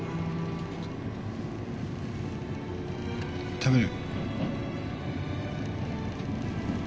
食べる？